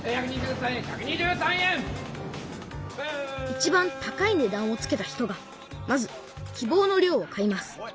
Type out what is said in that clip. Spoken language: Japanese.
いちばん高いねだんをつけた人がまず希望の量を買います。